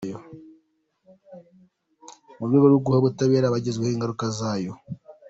Mu rwego rwo guha ubutabera abagizweho ingaruka zayo.